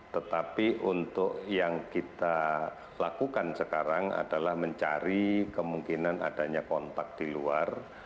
tetapi untuk yang kita lakukan sekarang adalah mencari kemungkinan adanya kontak di luar